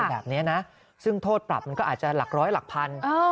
แบบนี้นะซึ่งโทษปรับมันก็อาจจะหลักร้อยหลักพัน